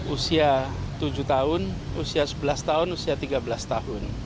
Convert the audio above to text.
usia tujuh tahun usia sebelas tahun usia tiga belas tahun